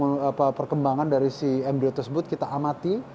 di mana perkembangan dari si embryo tersebut kita amati